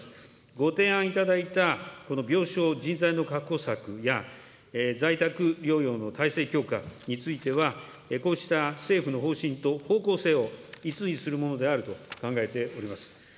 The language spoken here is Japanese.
ご提案いただいた、この病床、人材の確保策や在宅療養の体制強化については、こうした政府の方針と方向性をいつにするものであると考えております。